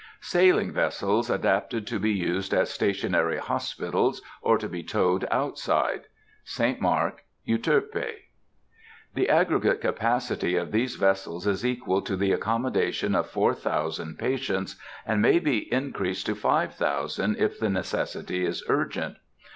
Sailing vessels adapted to be used as Stationary Hospitals, or to be towed outside. St. Mark, Euterpe. The aggregate capacity of these vessels is equal to the accommodation of four thousand (4,000) patients, and may be increased to five thousand (5,000) if the necessity is urgent.